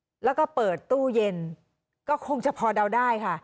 แล้วก็เปิดตู้เย็นก็คงจะพอเดาได้ค่ะ